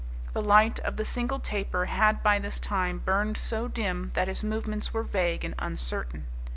The light of the single taper had by this time burned so dim that his movements were vague and uncertain.